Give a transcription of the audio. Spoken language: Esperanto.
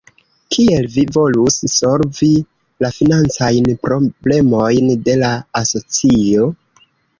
Kiel vi volus solvi la financajn problemojn de la asocio?